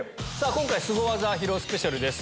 今回スゴ技披露スペシャルです！